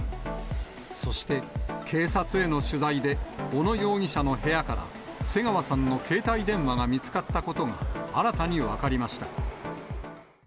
そして、警察への取材で、小野容疑者の部屋から、瀬川さんの携帯電話が見つかったことが新たに分かりました。